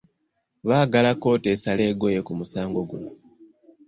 Baagala kkooti esale eggoye ku musango guno.